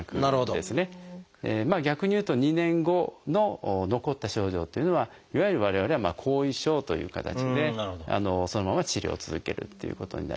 逆にいうと２年後の残った症状というのはいわゆる我々は後遺症という形でそのまま治療を続けるっていうことになりますでしょうかね。